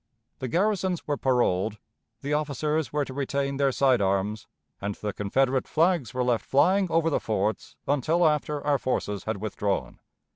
The garrisons were paroled, the officers were to retain their side arms, and the Confederate flags were left flying over the forts until after our forces had withdrawn.